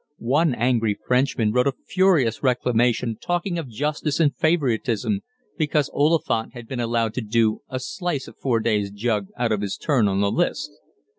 One angry Frenchman wrote a furious Reclamation talking of justice and favoritism because Oliphant had been allowed to do a "slice of four days' jug" out of his turn on the list.